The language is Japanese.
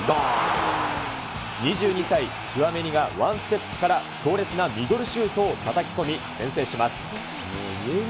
２２歳、チュアメニがワンステップから強烈なミドルシュートをたたき込み、先制します。